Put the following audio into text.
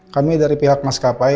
kami dari pihak maskapai